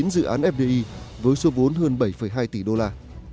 một trăm hai mươi chín dự án fdi với số vốn hơn bảy hai tỷ đô la